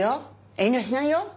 遠慮しないよ。